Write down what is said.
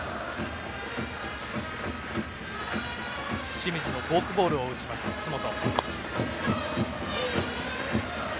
清水のフォークボールを打ちました、楠本。